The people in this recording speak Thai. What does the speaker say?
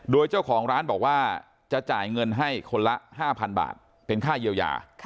โดยเจ้าของร้านบอกว่าจะจ่ายเงินให้คนละ๕๐๐๐บาทเป็นค่าเยียวยา